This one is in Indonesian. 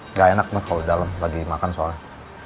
nggak enak kalau di dalam lagi makan soalnya